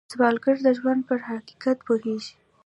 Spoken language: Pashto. سوالګر د ژوند پر حقیقت پوهېږي